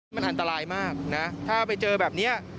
มันอันตรายมากนะถ้าไปเจอแบบนี้